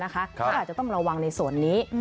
เขาอาจจะต้องระวังในส่วนนี้